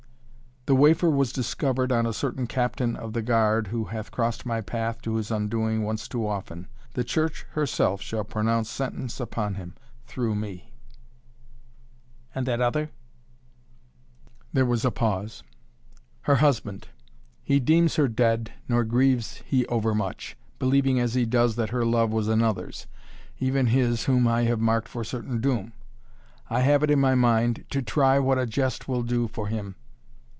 "The wafer was discovered on a certain captain of the guard who hath crossed my path to his undoing once too often. The Church herself shall pronounce sentence upon him through me!" "And that other?" There was a pause. "Her husband! He deems her dead, nor grieves he overmuch, believing, as he does, that her love was another's even his whom I have marked for certain doom. I have it in my mind to try what a jest will do for him."